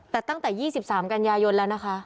แต่ตั้งแต่๒๓กันยายนแล้วนะคะ